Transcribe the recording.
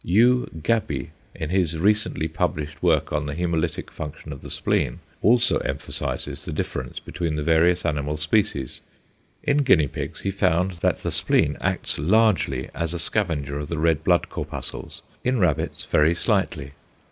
= U. Gabbi in his recently published work on the hæmolytic function of the spleen, also emphasises the difference between the various animal species. In guinea pigs he found that the spleen acts largely as a scavenger of the red blood corpuscles; in rabbits very slightly.